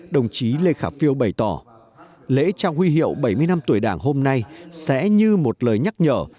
đồng chí lê khả phiêu bày tỏ lễ trao huy hiệu bảy mươi năm tuổi đảng hôm nay sẽ như một lời nhắc nhở